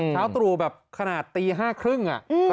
เช้าตรูแบบขนาดตี๕๓๐น